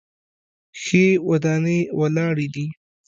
ښې ودانۍ ولاړې دي.